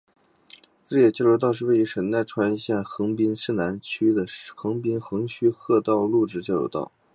日野交流道是位于神奈川县横滨市南区的横滨横须贺道路之交流道。